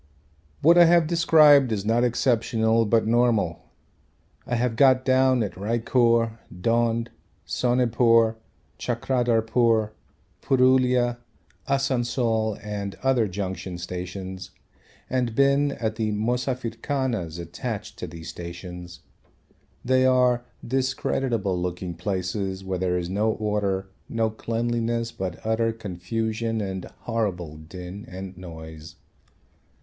What I have described is not exceptional but normal. I have got down at Raichur, Dhond, Sonepur, Chakradharpur, Purulia, Asansol and other junction stations and been at the 'Mosafirkhanas' attached to these stations. They are discreditable looking places where there is no order, no cleanliness but utter confusion and horrible din and noise.